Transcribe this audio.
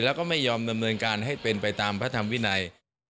แล้วก็ไม่ยอมดำเนินการให้เป็นไปตามพระธรรมวินัย